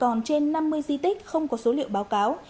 còn trên năm mươi di tích không có số liệu báo cáo